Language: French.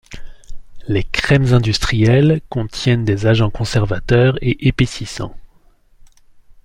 Les crèmes industrielles contiennent des agents conservateurs et épaississants.